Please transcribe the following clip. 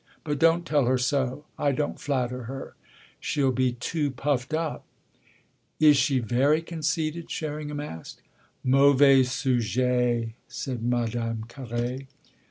But don't tell her so. I don't flatter her. She'll be too puffed up." "Is she very conceited?" Sherringham asked. "Mauvais sujet!" said Madame Carré.